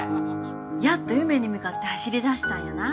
やっと夢に向かって走り出したんやな。